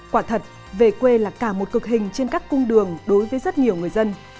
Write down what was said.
quả thật về quê là cả một cực hình trên các cung đường đối với rất nhiều người dân